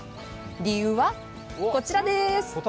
理由はこちらです。